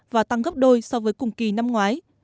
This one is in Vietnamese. và tăng gấp đôi so với cùng kỳ năm ngoái